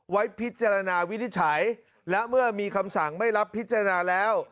ไว้พิจารณาวินิจฉัยและเมื่อมีคำสั่งไม่รับพิจารณาแล้ว